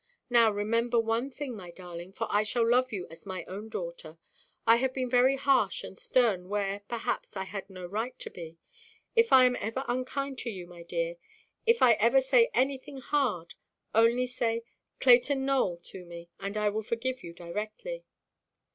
Now, remember one thing, my darling—for I shall love you as my own daughter—I have been very harsh and stern where, perhaps, I had no right to be so: if I am ever unkind to you, my dear, if I ever say anything hard, only say 'Clayton Nowell' to me, and I will forgive you directly."